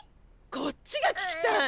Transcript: こっちが聞きたい！